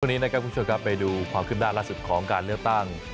ทุกวันนี้นายครับทุกชวนครับไปดูความขึ้นด้านล่าสุดของการเลือกตั้ง